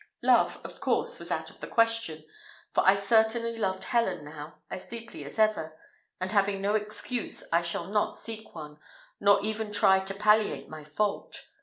Love, of course, was out of the question: for I certainly loved Helen now as deeply as ever; and having no excuse, I shall not seek one, nor even try to palliate my fault.